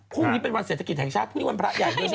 พรุ่งนี้เป็นวันเศรษฐกิจแห่งชาติพรุ่งนี้วันพระใหญ่ด้วยใช่ไหม